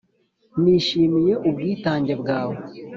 nishimiye ubwitange bwawe